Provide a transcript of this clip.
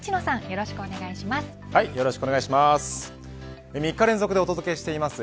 よろしくお願いします。